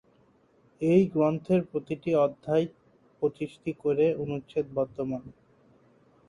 এই গ্রন্থের প্রতিটি অধ্যায়ে পঁচিশটি করে অনুচ্ছেদ বর্তমান।